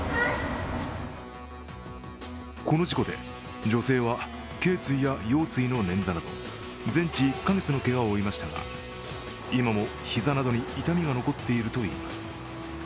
この事故で、女性はけい椎や腰椎の捻挫など全治１か月のけがを負いましたが、今も膝などに痛みが残っているといいます。